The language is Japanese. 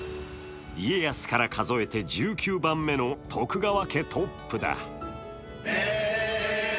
家康から数えて１９番目の徳川家トップだ。